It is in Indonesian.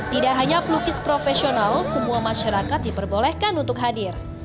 tidak hanya pelukis profesional semua masyarakat diperbolehkan untuk hadir